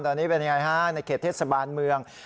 ตอนนี้เป็นยังไงฮะในเขตเทศบาลเมือง